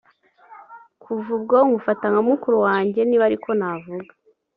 Kuva ubwo nkufata nka mukuru wanjye niba ariko navuga